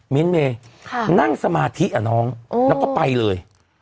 เมย์นั่งสมาธิอ่ะน้องแล้วก็ไปเลย